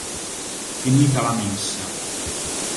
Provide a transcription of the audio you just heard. Finita la Messa.